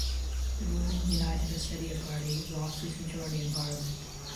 The ruling United Ossetia party lost its majority in parliament.